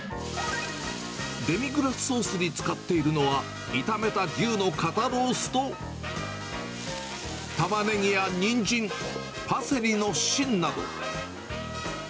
デミグラスソースに使っているのは、炒めた牛の肩ロースと、タマネギやニンジン、パセリの芯など。